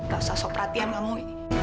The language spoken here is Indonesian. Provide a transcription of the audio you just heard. gak usah sok perhatian kamu